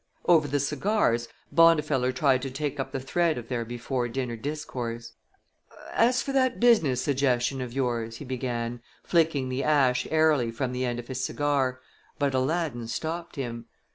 Over the cigars, Bondifeller tried to take up the thread of their before dinner discourse. "As for that business suggestion of yours " he began, flicking the ash airily from the end of his cigar, but Aladdin stopped him.